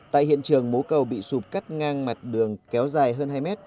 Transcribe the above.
tại hiện trường mố cầu bị sụp cắt ngang mặt đường kéo dài hơn hai mét